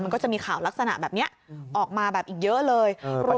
มันก็จะมีข่าวลักษณะแบบนี้ออกมาแบบอีกเยอะเลย